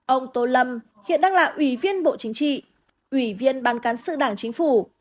ông tô lâm hiện đang là ủy viên bộ chính trị ủy viên ban cán sự đảng chính phủ